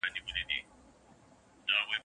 د غزلونو ربابونو مېنه